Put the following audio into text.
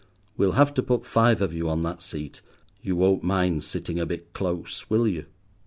We'll have to put five of you on that seat. You won't mind sitting a bit close, will you?"